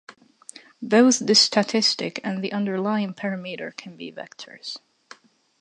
Both the statistic and the underlying parameter can be vectors.